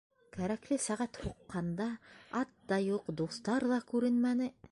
Кәрәкле сәғәт һуҡҡанда ат та юҡ, дуҫтар ҙа күренмәне.